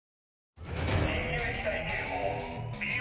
緊急事態警報Ｂ１。